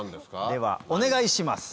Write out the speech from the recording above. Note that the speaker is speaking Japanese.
ではお願いします。